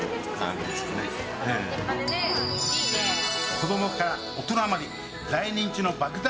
子供から大人まで大人気の爆弾